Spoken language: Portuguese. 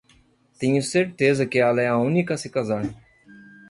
Tenho certeza que ela é a única a se casar.